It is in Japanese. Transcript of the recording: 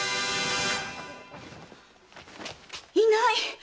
いない！